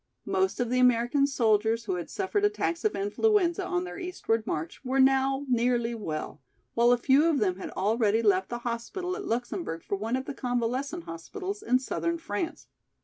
Most of the American soldiers, who had suffered attacks of influenza on their eastward march, were now nearly well, while a few of them had already left the hospital at Luxemburg for one of the convalescent hospitals in southern France.